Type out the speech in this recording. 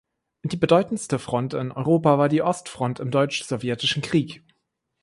Die bedeutendste Front in Europa war die Ostfront im Deutsch-Sowjetischen Krieg.